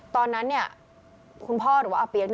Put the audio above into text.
ตอนนั้นคุณพ่อหรือว่าอาเปี๊ยก